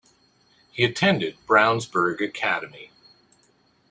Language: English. He attended Brownsburg Academy.